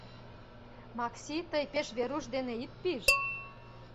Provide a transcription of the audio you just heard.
Макси, тый пеш Варуш дене ит пиж.